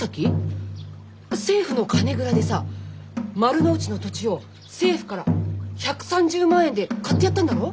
政府の金蔵でさ丸の内の土地を政府から１３０万円で買ってやったんだろう？